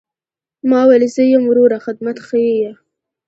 ما وويل زه يم وروه خدمت ښييه.